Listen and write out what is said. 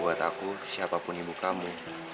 buat aku siapapun ibu kamu